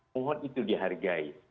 mohon itu dihargai